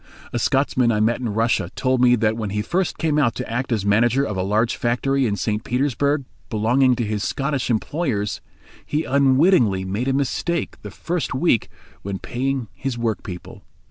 A Scotsman I met in Russia told me that when he first came out to act as manager of a large factory in St. Petersburg, belonging to his Scottish employers, he unwittingly made a mistake the first week when paying his workpeople.